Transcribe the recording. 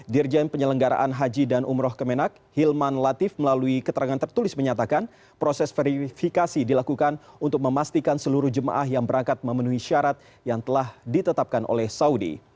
dirjen penyelenggaraan haji dan umroh kemenak hilman latif melalui keterangan tertulis menyatakan proses verifikasi dilakukan untuk memastikan seluruh jemaah yang berangkat memenuhi syarat yang telah ditetapkan oleh saudi